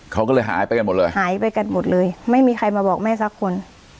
เขาก็เลยหายไปกันหมดเลยหายไปกันหมดเลยไม่มีใครมาบอกแม่สักคน